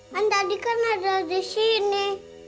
kan tadi kan ada disini